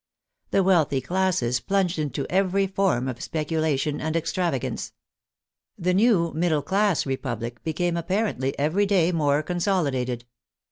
The wealthy classes plunged into every form of speculation and extravagance. The new middle class Republic became a^jparently every day more consolidated.